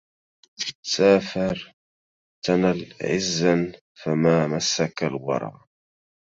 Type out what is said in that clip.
سافر تنل عزا فما مسك الورى